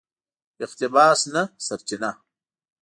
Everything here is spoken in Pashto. اقتباس نه سرچینه